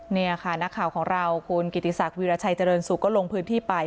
นี่ค่ะนักข่าวของเราคุณกิติศักดิราชัยเจริญสุขก็ลงพื้นที่ไป